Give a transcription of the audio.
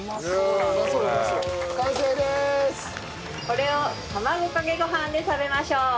これを卵かけご飯で食べましょう。